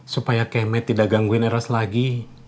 supaya keme tidak gangguin eros lagi